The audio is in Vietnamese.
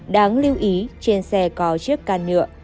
đáng lưu ý trên xe có chiếc can nhựa